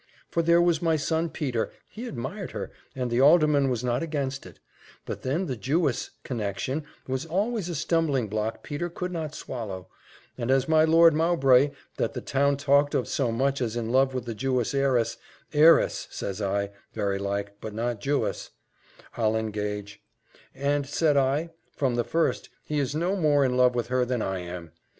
For there was my son Peter, he admired her, and the alderman was not against it; but then the Jewess connexion was always a stumbling block Peter could not swallow; and as for my Lord Mowbray, that the town talked of so much as in love with the Jewess heiress heiress, says I, very like, but not Jewess, I'll engage; and, said I, from the first, he is no more in love with her than I am.